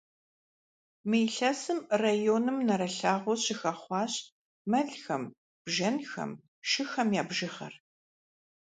Мы илъэсым районым нэрылъагъуу щыхэхъуащ мэлхэм, бжэнхэм, шыхэм я бжыгъэр.